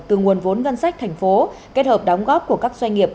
từ nguồn vốn ngân sách thành phố kết hợp đóng góp của các doanh nghiệp